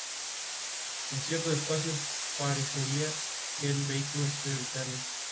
Posee una pista asfaltada hasta el lugar de estacionamiento de los vehículos.